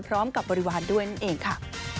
พร้อมกับบริวารด้วยนั่นเองค่ะ